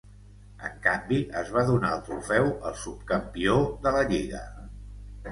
En canvi, es va donar el trofeu al subcampió de la Lliga.